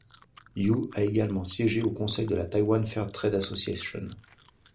Yu a également siégé au conseil de la Taiwan Fairtrade Association.